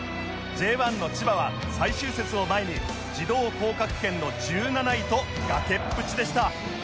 Ｊ１ の千葉は最終節を前に自動降格圏の１７位と崖っぷちでした